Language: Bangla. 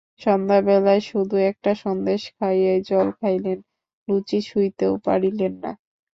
সন্ধ্যাবেলায় শুধু একটা সন্দেশ খাইয়াই জল খাইলেন, লুচি ছুঁইতে পারিলেন না।